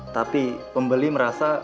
tapi pembeli merasa